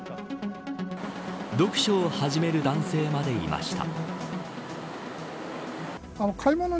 読書を始める男性までいました。